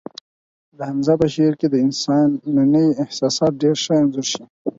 د حمزه په شعر کې د انسان ننني احساسات ډېر ښه انځور شوي